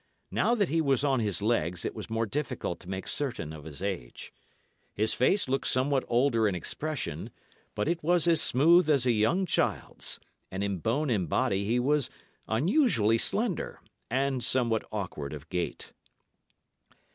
Now that he was on his legs, it was more difficult to make certain of his age. His face looked somewhat older in expression, but it was as smooth as a young child's; and in bone and body he was unusually slender, and somewhat awkward of gait.